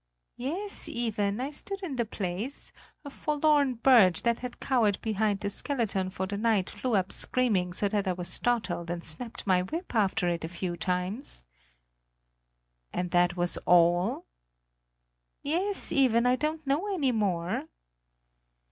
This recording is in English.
"Yes, Iven, I stood in the place; a forlorn bird that had cowered behind the skeleton for the night flew up screaming so that I was startled and snapped my whip after it a few times." "And that was all?" "Yes, Iven; I don't know any more."